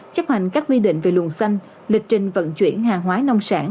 chấp hành các quy định về luồn xanh lịch trình vận chuyển hàng hóa nông sản